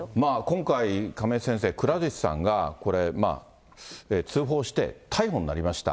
今回、亀井先生、くら寿司さんがこれ、通報して逮捕になりました。